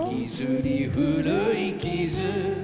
古い傷